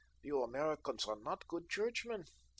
You Americans are not good churchmen.